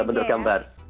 ya benar gambar